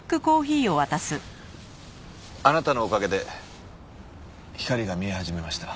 あなたのおかげで光が見え始めました。